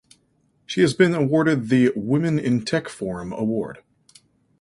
She has been awarded the "Women in Tech forum" award.